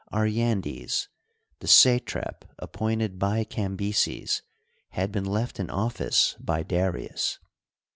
Aryandes, the satrap appointed by Cambyses, had been left in office by Darius.